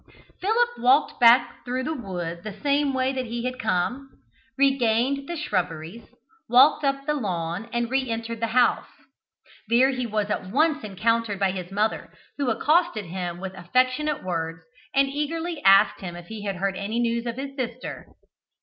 Philip walked back through the wood the same way that he had come, regained the shrubberies, walked up the lawn and re entered the house. There he was at once encountered by his mother, who accosted him with affectionate words, and eagerly asked him if he had heard any news of his sister.